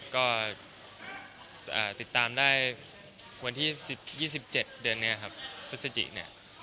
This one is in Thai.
ก็ติดตามได้วันที่๒๗เดือนนี้ครับพฤศจิเนี่ย